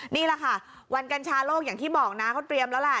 นี่แหละค่ะวันกัญชาโลกอย่างที่บอกนะเขาเตรียมแล้วแหละ